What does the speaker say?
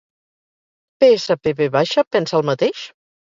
PSPV pensa el mateix?